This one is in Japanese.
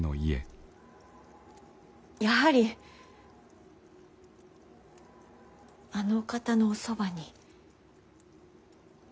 やはりあのお方のおそばに。